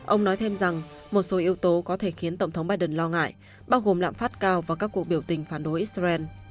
ông nói thêm rằng một số yếu tố có thể khiến tổng thống biden lo ngại bao gồm lạm phát cao và các cuộc biểu tình phản đối israel